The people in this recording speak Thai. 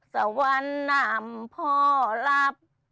สวรรค์นามพอรับ